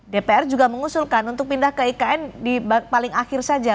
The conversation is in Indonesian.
dpr juga mengusulkan untuk pindah ke ikn di paling akhir saja